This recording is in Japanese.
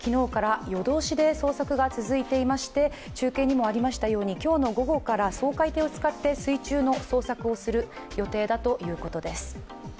昨日から夜通しで捜索が続いていまして、中継にもありましたように、今日の午後から掃海艇を使って水中の捜索をする予定だということです。